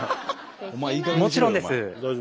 もちろんです。